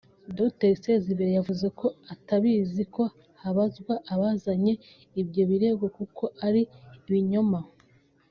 Dr Sezibera yavuze ko atabizi ko habazwa abazanye ibyo birego kuko ari ibinyoma